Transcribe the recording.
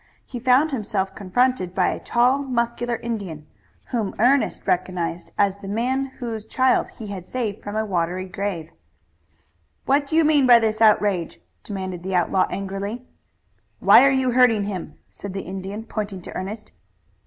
He found himself confronted by a tall, muscular Indian, whom Ernest also recognized as the man whose child he had saved from a watery grave. "What do you mean by this outrage?" demanded the outlaw angrily. "Why are you hurting him?" said the Indian, pointing to Ernest.